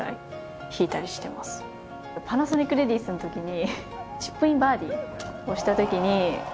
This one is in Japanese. パナソニックレディースの時に。